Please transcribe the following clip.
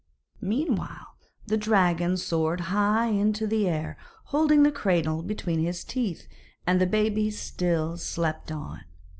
Meanwhile the dragon soared high into the air, holding the cradle between his teeth, and the baby still slept on.